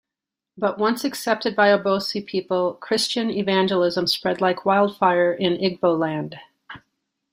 But once accepted by Obosi people, Christian evangelism spread like wildfire in Igbo land.